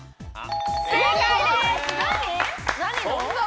正解です。